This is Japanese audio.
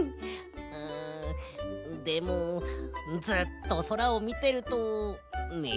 うんでもずっとそらをみてるとねむくなりそう。